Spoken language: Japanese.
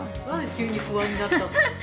急に不安になって。